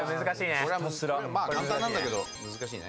簡単なんだけど難しいね。